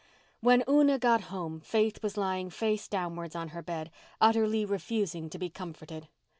When Una got home Faith was lying face downwards on her bed, utterly refusing to be comforted.